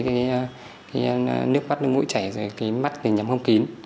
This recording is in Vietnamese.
cái nước mắt mũi chảy rồi cái mắt thì nhắm không kín